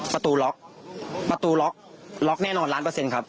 ประตูล็อกประตูล็อกล็อกแน่นอนล้านเปอร์เซ็นต์ครับ